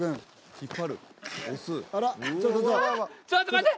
ちょっと待って！